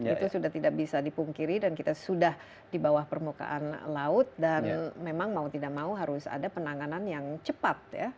itu sudah tidak bisa dipungkiri dan kita sudah di bawah permukaan laut dan memang mau tidak mau harus ada penanganan yang cepat ya